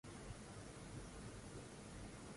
kuhusu masuala muhimu kama vile biashara afya